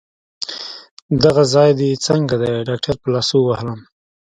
دغه ځای دي څنګه دی؟ ډاکټر په لاسو ووهلم.